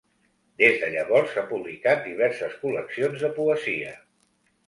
Des de llavors ha publicat diverses col·leccions de poesia.